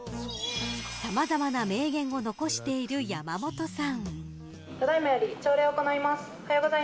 さまざまな名言を残している山本さん。